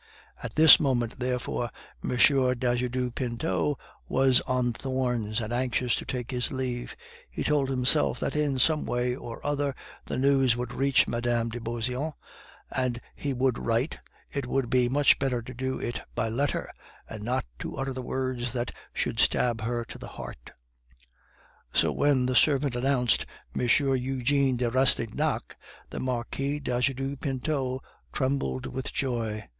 At this moment, therefore, M. d'Ajuda Pinto was on thorns, and anxious to take his leave. He told himself that in some way or other the news would reach Mme. de Beauseant; he would write, it would be much better to do it by letter, and not to utter the words that should stab her to the heart. So when the servant announced M. Eugene de Rastignac, the Marquis d'Ajuda Pinto trembled with joy.